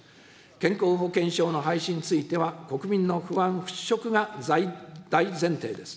健康保険証の廃止については、国民の不安払拭が大前提です。